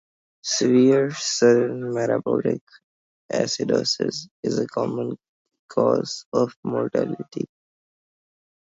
Severe, sudden metabolic acidosis is a common cause of mortality.